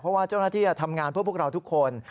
เพราะว่าเจ้าหน้าที่ทำงานเพื่อพวกเราทุกคน